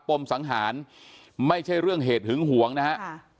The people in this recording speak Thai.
มสังหารไม่ใช่เรื่องเหตุหึงหวงนะฮะ